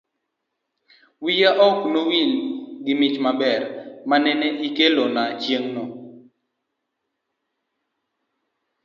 wiya ok no wil gi mich maber manene ikelona chieng'no.